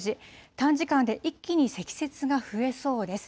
短時間で一気に積雪が増えそうです。